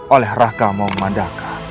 oleh raka mong madaka